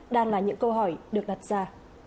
đang là những câu hỏi được đặt ra